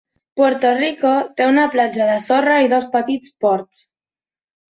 Puerto Rico té una platja de sorra i dos petits ports.